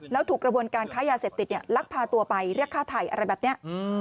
แล้วถูกกระบวนการค้ายาเสพติดลักพาตัวไปเรียกฆ่าไทยอะไรแบบนี้